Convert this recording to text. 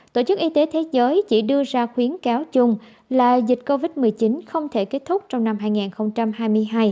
tổ chức y tế thế giới chỉ đưa ra khuyến cáo chung là dịch covid một mươi chín không thể kết thúc trong năm hai nghìn hai mươi hai